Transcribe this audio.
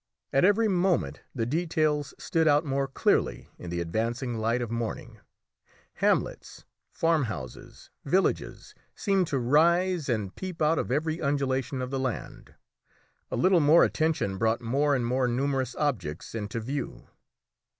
At every moment the details stood out more clearly in the advancing light of morning; hamlets, farm houses, villages, seemed to rise and peep out of every undulation of the land. A little more attention brought more and more numerous objects into view.